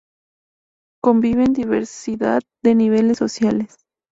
Conviven diversidad de niveles sociales.